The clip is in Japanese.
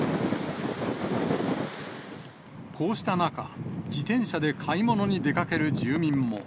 こうした中、自転車で買い物に出かける住民も。